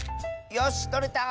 よしとれた！